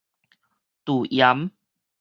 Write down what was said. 駐鹽